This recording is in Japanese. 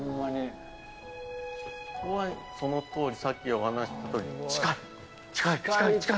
ここはそのとおりさっきお話ししたとおり近い近い近い。